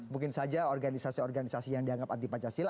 mungkin saja organisasi organisasi yang dianggap anti pancasila